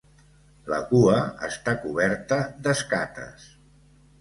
La cua està coberta d'escates.